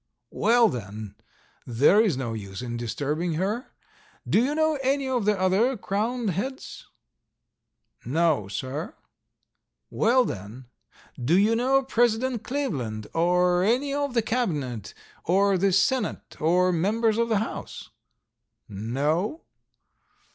"Well, then, there is no use in disturbing her. Do you know any of the other crowned heads?" "No, sir." "Well, then, do you know President Cleveland, or any of the Cabinet, or the Senate or members of the House?" "No."